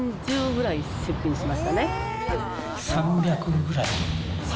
２４０ぐらい出品しましたね。